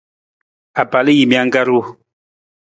Apalajiimijang ka ru.